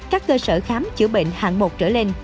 các cơ sở khám chữa bệnh hạng một trở lên